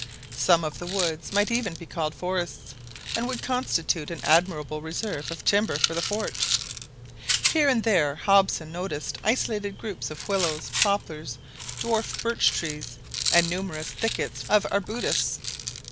Some of the woods might even be called forests, and would constitute an admirable reserve of timber for the fort. Here and there Hobson noticed isolated groups of willows, poplars, dwarf birch trees, and numerous thickets of arbutus.